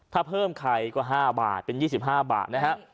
ถ้าเพิ่มไข่ก็๕บาทเป็น๒๕บาทนะฮะ